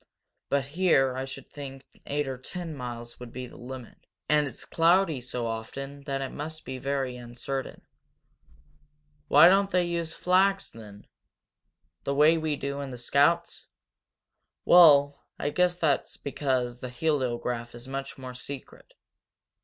But here I should think eight or ten miles would be the limit. And it's cloudy so often that it must be very uncertain." "Why don't they use flags, then?" "The way we do in the scouts? Well, I guess that's because the heliograph is so much more secret.